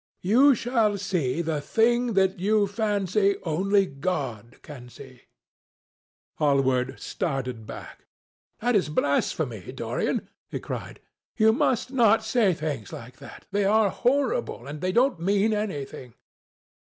You shall see the thing that you fancy only God can see." Hallward started back. "This is blasphemy, Dorian!" he cried. "You must not say things like that. They are horrible, and they don't mean anything."